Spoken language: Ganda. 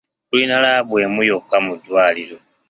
Tulina laabu emu yokka mu ddwaliro.